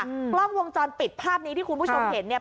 กล้องวงจรปิดภาพนี้ที่คุณผู้ชมเห็นเนี่ย